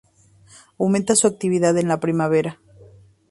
Aumentan su actividad en la primavera.